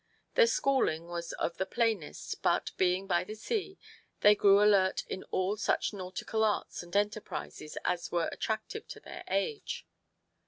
Their schooling was of the plainest, but, being by the sea, they grew alert in all such nautical arts and enterprises as were attractive to their age.